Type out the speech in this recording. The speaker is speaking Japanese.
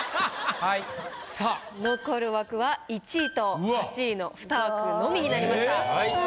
残る枠は１位と８位の２枠のみになりました。